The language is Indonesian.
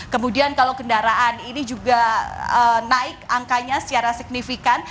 kemudian kalau kendaraan ini juga naik angkanya secara signifikan